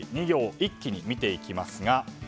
２行、一気に見ていきます。